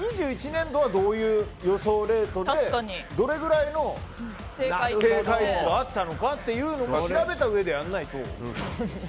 ２１年度はどういう予想レートでどれぐらいの正解率があったのかというのを調べたうえでやらないと。